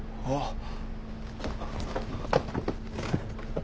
あっ。